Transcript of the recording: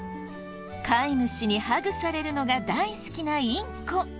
飼い主にハグされるのが大好きなインコ。